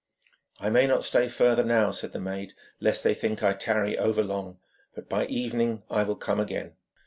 'I may not stay further now,' said the maid, 'lest they think I tarry over long. But by evening I will come again.'